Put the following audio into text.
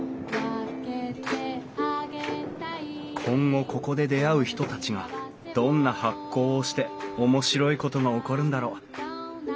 今後ここで出会う人たちがどんな発酵をして面白いことが起こるんだろう？